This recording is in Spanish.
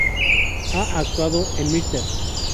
Ha actuado en "Mr.